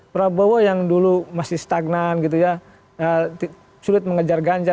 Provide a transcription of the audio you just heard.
prabowo yang dulu masih stagnan gitu ya sulit mengejar ganjar